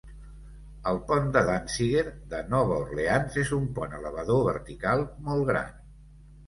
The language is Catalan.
El pont de Danziger de Nova Orleans és un pont elevador vertical molt gran.